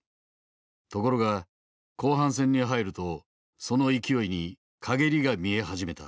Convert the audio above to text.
ところが後半戦に入るとその勢いに陰りが見え始めた。